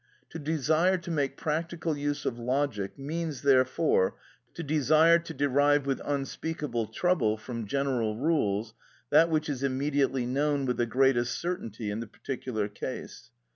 To desire to make practical use of logic means, therefore, to desire to derive with unspeakable trouble, from general rules, that which is immediately known with the greatest certainty in the particular case.